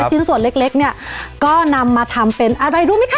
ชิ้นส่วนเล็กเล็กเนี้ยก็นำมาทำเป็นอะไรดูมั้ยคะ